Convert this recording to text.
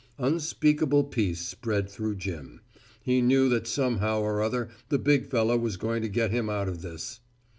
Unspeakable peace spread through Jim. He knew that somehow or other the big fellow was going to get him out of this.